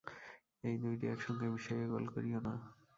এই দুইটি একসঙ্গে মিশাইয়া গোল করিও না।